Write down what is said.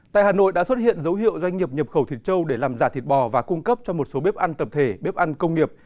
tại hà nội đã xuất hiện dấu hiệu doanh nghiệp nhập khẩu thịt châu để làm giả thịt bò và cung cấp cho một số bếp ăn tập thể bếp ăn công nghiệp